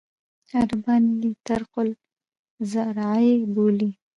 عربان یې طریق الزراعي بولي.